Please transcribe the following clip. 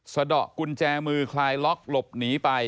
สะดอกกุญแจมือคลายล็อกหลบหนีไป